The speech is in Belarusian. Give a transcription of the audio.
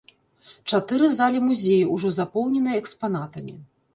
Чатыры залі музея ўжо запоўненыя экспанатамі.